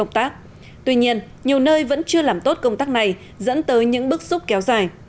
tuy nhiên nhiều nơi vẫn chưa làm tốt công tác này dẫn tới những bức xúc kéo dài